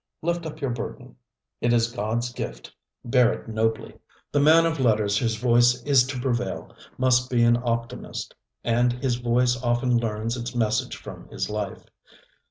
Lift up your burden, it is GodŌĆÖs gift, bear it nobly. The man of letters whose voice is to prevail must be an optimist, and his voice often learns its message from his life.